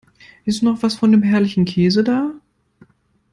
Ist noch was von dem herrlichen Käse da?